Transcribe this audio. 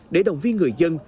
để động viên người dân